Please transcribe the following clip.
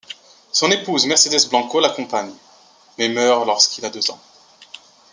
Son épouse Mercedes Blanco l'accompagne, mais meurt lorsqu'il a deux ans.